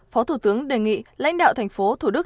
phó thủ tướng đề nghị lãnh đạo thành phố thủ đức